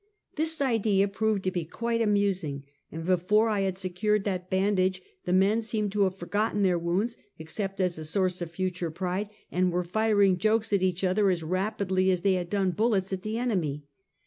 This idea proved to be quite amusing, and before I had secured that bandage, the men seemed to have for gotten their wounds, except as a source of future pride, and were firing jokes at each other as rapidly as they had done bullets at the enemy.